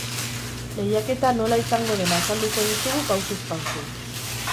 Lehiaketa nola izango den azalduko dizugu pausuz-pausu.